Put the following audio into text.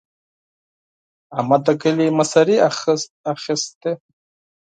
احمد د کلي مشري اخېستې.